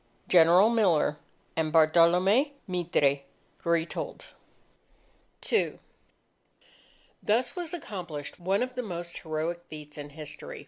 General Miller and Bartolome Mitre (Retold) II Thus was accomplished one of the most heroic military feats in history.